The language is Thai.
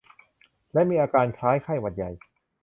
และมีอาการคล้ายไข้หวัดใหญ่